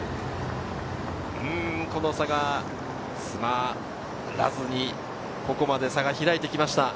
この差が詰まらずに、ここまで差が開いてきました。